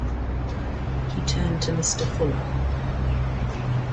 He turned to Mr. Fuller.